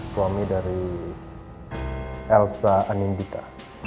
suami dari elsa anindika